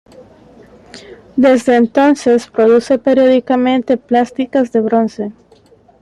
Desde entonces produce periódicamente plásticas de bronce.